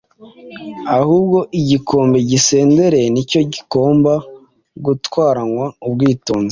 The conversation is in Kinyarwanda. ahubwo igikombe gisendereye ni cyo kigomba gutwaranwa ubwitonzi